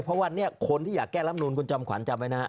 เพราะวันนี้คนที่อยากแก้รับนูนคุณจอมขวัญจำไว้นะฮะ